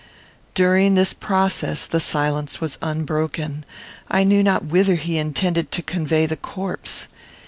During this process, the silence was unbroken. I knew not whither he intended to convey the corpse.